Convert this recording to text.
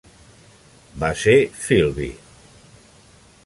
Va ser Philby.